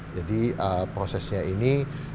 jadi prosesnya ini